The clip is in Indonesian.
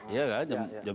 iya kan jam tujuh belas